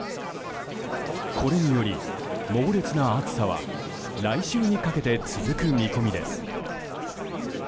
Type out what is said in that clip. これにより、猛烈な暑さは来週にかけて続く見込みです。